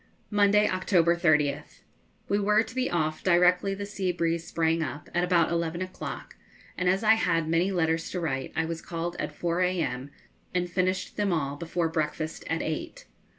Monday, October 30th. We were to be off directly the sea breeze sprang up, at about eleven o'clock, and as I had many letters to write, I was called at 4 a.m., and finished them all before breakfast at eight.